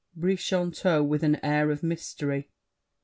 BRICHANTEAU (with an air of mystery).